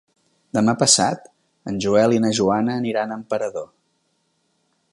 Demà passat en Joel i na Joana aniran a Emperador.